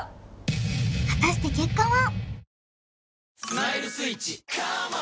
果たして結果は？